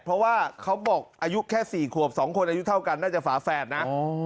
เพราะว่าเขาบอกอายุแค่๔ขวบ๒คนอายุเท่ากันน่าจะฝาแฝดนะ